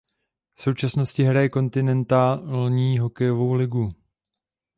V současnosti hraje Kontinentální hokejovou ligu.